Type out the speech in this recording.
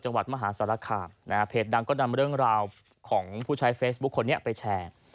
จังหวัดมหาสรรคาเพจดังก็นำเรื่องราวของผู้ชายเฟซบุ๊คคนนี้ไปแชร์